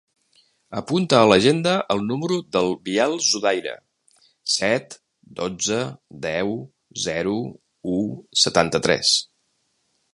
Apunta a l'agenda el número del Biel Zudaire: set, dotze, deu, zero, u, setanta-tres.